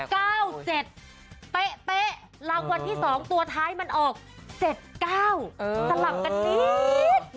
เป๊ะรางวัลที่๒ตัวท้ายมันออก๗๙สลับกันจี๊ด